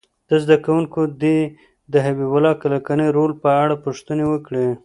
زده کوونکي دې د حبیب الله کلکاني رول په اړه پوښتنې وکړي.